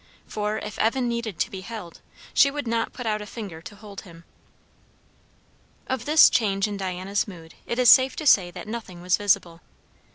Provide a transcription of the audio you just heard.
For if Evan needed to be held, she would not put out a finger to hold him. Of this change in Diana's mood it is safe to say that nothing was visible.